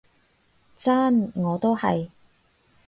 真，我都係